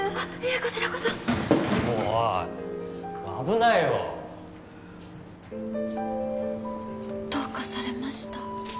こちらこそおい危ないよどうかされました？